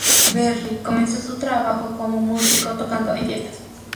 Berry comenzó su trabajo como músico tocando en fiestas.